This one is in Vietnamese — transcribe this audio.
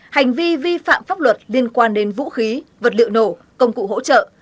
hành vi vi phạm pháp luật liên quan đến vũ khí vật liệu nổ công cụ hỗ trợ